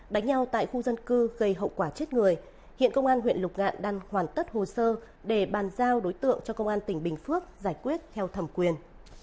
đánh nhau tại khu dân cư gây hậu quả chết người hiện công an huyện lục ngạn đang hoàn tất hồ sơ để bàn giao đối tượng cho công an tỉnh bình phước giải quyết theo thẩm quyền